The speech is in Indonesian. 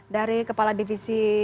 dari kepala divisi